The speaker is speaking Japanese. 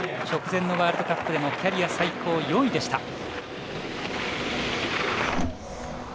直前のワールドカップでもキャリア最高４位でした。